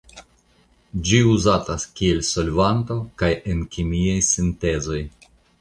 Ĝi uzatas kiel solvanto kaj en kemiaj sintezoj.